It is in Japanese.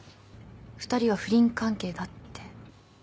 ２人は不倫関係だって。